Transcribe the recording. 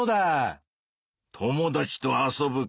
友達と遊ぶか。